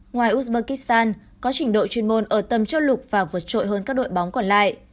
ngoài uzburgistan có trình độ chuyên môn ở tầm châu lục và vượt trội hơn các đội bóng còn lại